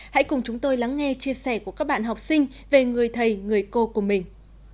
hãy cùng chúng tôi lắng nghe chia sẻ của các bạn học sinh về người thầy người cô của mình